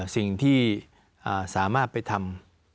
สิ่งที่สามารถไปทำ